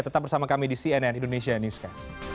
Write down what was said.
tetap bersama kami di cnn indonesia newscast